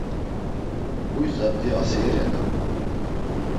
Huy zat̆i aseyirenan.